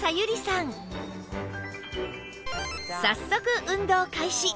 早速運動開始！